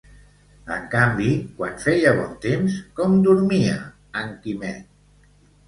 En canvi, quan feia bon temps, com dormia en Quimet?